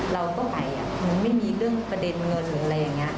เราก็ไปมันไม่มีเรื่องประเด็นเงินหรืออะไรอย่างนี้